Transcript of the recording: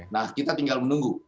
nah kita tinggal menunggu